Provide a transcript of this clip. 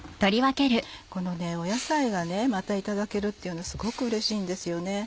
この野菜がまたいただけるっていうのはすごくうれしいんですよね。